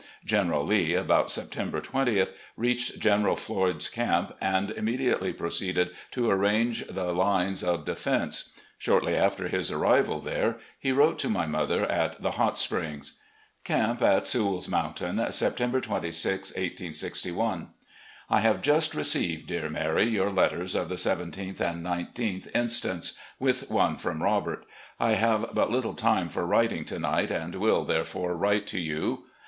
General Lee, about September 20th, reached General Floyd's camp, and immediately proceeded to arrange the lines of defense. Shortly after his arrival there he wrote to my mother at the Hot Springs; "Camp on Sewell's Mountain, "September 26, 1861. "I have just received, dear Mary, your letters of the 48 LETTERS TO WIFE AND DAUGHTERS 49 17 th and 19th instants, with one from Rob^. I have but little time for writing to night, and will, therefore, write to you.